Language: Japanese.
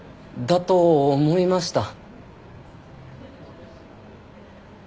だと思いました。